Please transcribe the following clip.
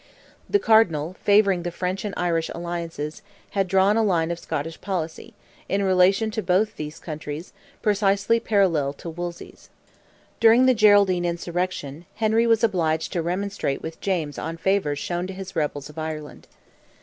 The Cardinal, favouring the French and Irish alliances, had drawn a line of Scottish policy, in relation to both those countries, precisely parallel to Wolsey's. During the Geraldine insurrection, Henry was obliged to remonstrate with James on favours shown to his rebels of Ireland.